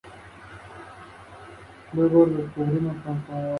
Se encuentran afectadas igualmente las fibras sensoriales y las motoras.